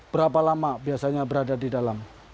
berapa lama biasanya berada di dalam